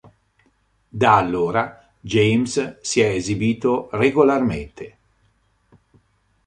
Da allora James si è esibito regolarmente.